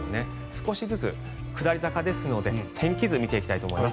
少しずつ下り坂ですので天気図を見ていきたいと思います。